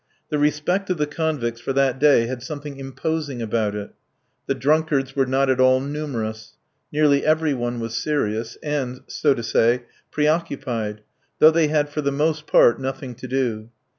The respect of the convicts for that day had something imposing about it. The drunkards were not at all numerous; nearly every one was serious, and, so to say, preoccupied, though they had for the most part nothing to do.